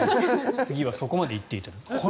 次はそこまで行っていただいて。